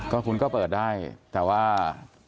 ก็คุณก็เปิดได้แต่ว่า